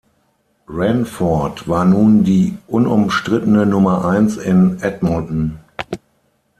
Ranford war nun die unumstrittene Nummer eins in Edmonton.